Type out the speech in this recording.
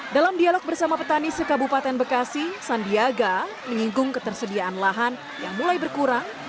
dalam dialog bersama petani sekabupaten bekasi sandiaga menyinggung ketersediaan lahan yang mulai berkurang